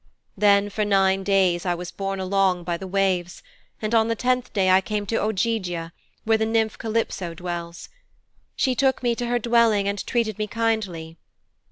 'Then for nine days I was borne along by the waves, and on the tenth day I came to Ogygia where the nymph Calypso dwells. She took me to her dwelling and treated me kindly.